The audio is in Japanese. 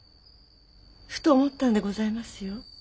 ふと思ったんでございますよ。